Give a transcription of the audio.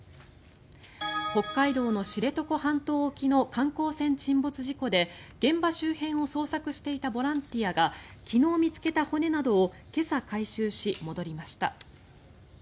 北海道の知床半島沖の観光船沈没事故で現場周辺を捜索していたボランティアが昨日見つけた骨などを今朝、回収し、戻りました。